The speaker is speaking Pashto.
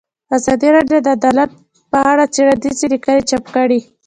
ازادي راډیو د عدالت په اړه څېړنیزې لیکنې چاپ کړي.